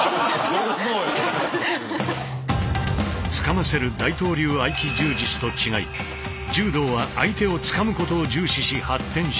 つかませる大東流合気柔術と違い柔道は相手をつかむことを重視し発展してきた。